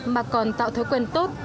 mà còn tạo thói quen tốt